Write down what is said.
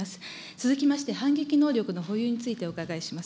続きまして、反撃能力の保有についてお伺いします。